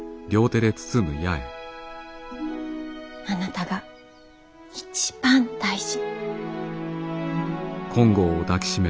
あなたが一番大事。